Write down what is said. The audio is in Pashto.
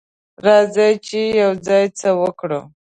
راځه چې یوځای څه وکړو.